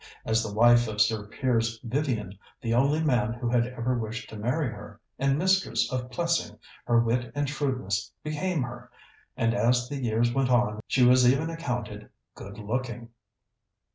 As the wife of Sir Piers Vivian, the only man who had ever wished to marry her, and mistress of Plessing, her wit and shrewdness became her, and as the years went on she was even accounted good looking.